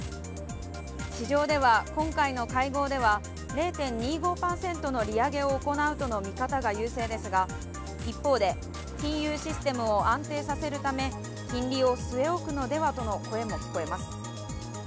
市場では、今回の会合では０．２５％の利上げを行うとの見方が優勢ですが一方で、金融システムを安定させるため金利を据え置くのではとの声も聞こえます。